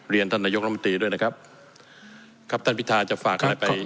ท่านนายกรมตรีด้วยนะครับครับท่านพิทาจะฝากอะไรไป